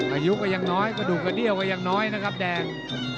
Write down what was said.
อายุก็ยังน้อยกระดูกกระเดี้ยวก็ยังน้อยนะครับแดง